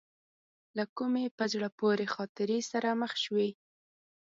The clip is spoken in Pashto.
له کومې په زړه پورې خاطرې سره مخ شوې.